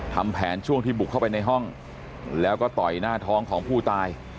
ทำแผนช่วงที่บุกเข้าไปในห้องแล้วก็ต่อยหน้าท้องของผู้ตาย